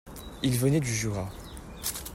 Il venait du Jura.